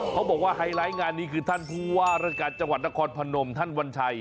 เขาบอกว่าไฮไลท์งานนี้คือท่านผู้ว่าระกัดจังหวัดนครพนมท่านวัญชัย